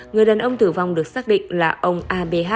người đàn ông tử vong được xác định là ông a b h